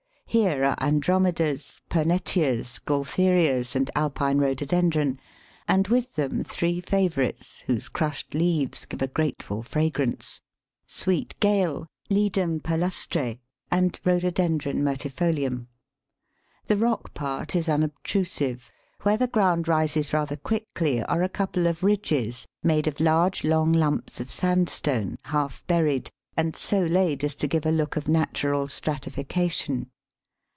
Here are Andromedas, Pernettyas, Gaultherias, and Alpine Rhododendron, and with them three favourites whose crushed leaves give a grateful fragrance, Sweet Gale, Ledum palustre, and Rhododendron myrtifolium. The rock part is unobtrusive; where the ground rises rather quickly are a couple of ridges made of large, long lumps of sandstone, half buried, and so laid as to give a look of natural stratification.